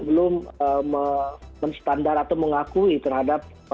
belum menstandar atau mengakui terhadap vaksin tersebut